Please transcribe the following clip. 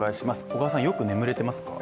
小川さん、よく眠れてますか？